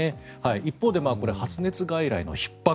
一方で発熱外来のひっ迫